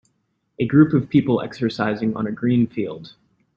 A group of people exercising on a green field